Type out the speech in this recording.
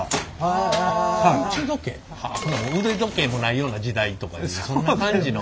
腕時計もないような時代とかそんな感じの。